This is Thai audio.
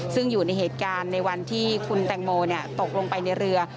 ซึ่งอยู่ในเหตุการณ์ในวันที่คุณแตงโมตกลงไปในเรือ